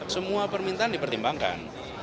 semua permintaan dipertimbangkan